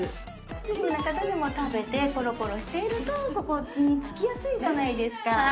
スリムな方でも食べてゴロゴロしているとここにつきやすいじゃないですか。